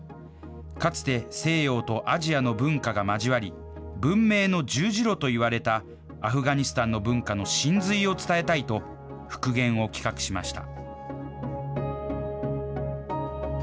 かつて西洋とアジアの文化が交わり、文明の十字路といわれたアフガニスタンの文化の神髄を伝えたいと、復元を企画しました。